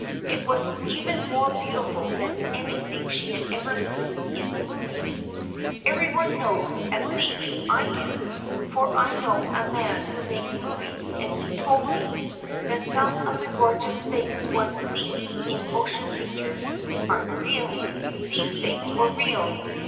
It was even more beautiful than anything she had ever seen in the movies. Every one knows — at least, I do, for I know a man who makes movies and he told me — that some of the gorgeous things one sees in motion pictures are n't real. These things were real.